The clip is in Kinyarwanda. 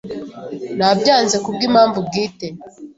Nabyanze kubwimpamvu bwite.